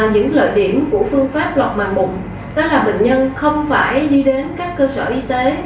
những thời điểm của phương pháp lọc mà bụng đó là bệnh nhân không phải đi đến các cơ sở y tế